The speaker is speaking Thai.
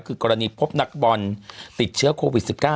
คือกรณีพบนักบอลติดเชื้อโควิด๑๙